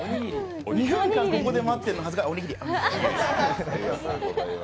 ２分間ここで待ってるの恥ずかしい。